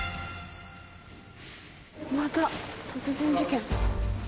また殺人事件。